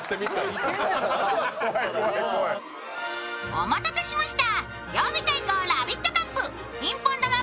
お待たせしました。